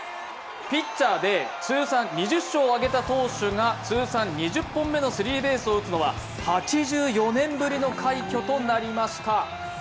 ピッチャーで通算２０勝を挙げた投手が通算２０本目のスリーベースを打つのは８４年ぶりの快挙となりました。